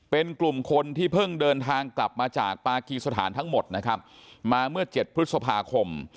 เป็นกลุ่มคนที่เพิ่งเดินทางกลับมาจากปากีสถานทั้งหมดนะครับมาเมื่อเจ็ดพฤษภาคม